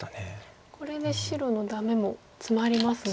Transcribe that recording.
これで白のダメもツマりますね。